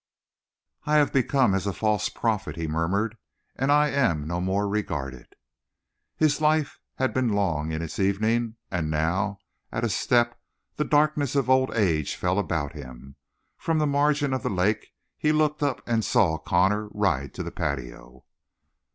"I have become as a false prophet," he murmured, "and I am no more regarded." His life had long been in its evening, and now, at a step, the darkness of old age fell about him. From the margin of the lake he looked up and saw Connor ride to the patio.